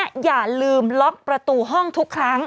อย่าลืมล็อกประตูห้องทุกครั้ง